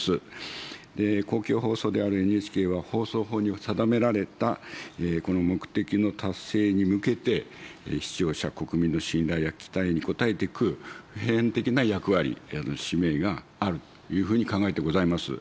公共放送であるＮＨＫは、放送法に定められたこの目的の達成に向けて、視聴者、国民の信頼や期待に応えていく普遍的な役割、使命があるというふうに考えてございます。